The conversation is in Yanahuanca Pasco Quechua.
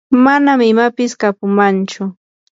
manam imapis kapumanchu.